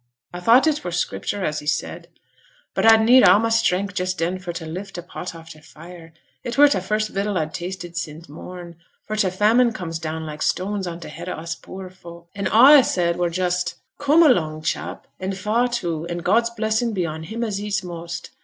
A thought it were Scriptur' as he said, but a'd needed a' my strength just then for t' lift t' pot off t' fire it were t' first vittle a'd tasted sin' morn, for t' famine comes down like stones on t' head o' us poor folk: an' a' a said were just "Coom along, chap, an' fa' to; an' God's blessing be on him as eats most."